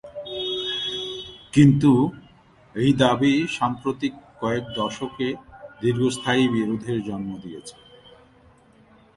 কিন্তু এই দাবি সাম্প্রতিক কয়েক দশকে দীর্ঘস্থায়ী বিরোধের জন্ম দিয়েছে।